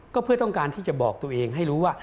ก็เพื่อต้องการที่จะบอกตัวเองให้รู้ว่า